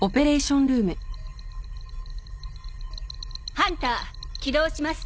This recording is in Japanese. ハンター起動します。